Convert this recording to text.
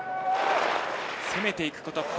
攻めていくこと。